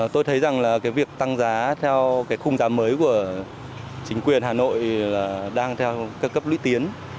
tôi thấy rằng việc tăng giá theo khung giá mới của chính quyền hà nội đang theo cấp lý tiến